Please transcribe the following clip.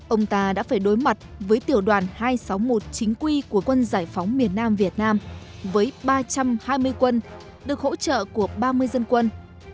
ông ta đã phải đối mặt với tiểu đoàn hai trăm sáu mươi một chính quy của quân giải phóng miền nam việt nam với ba trăm hai mươi quân được hỗ trợ của ba mươi dân quân